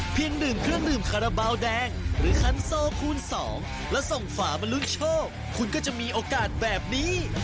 ภาระบาวแดงช่วยคนไทยสร้างอาชีพปี๒